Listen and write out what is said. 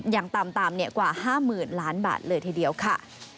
อย่างต่ำกว่า๕๐๐๐ล้านบาทเลยทีเดียวค่ะ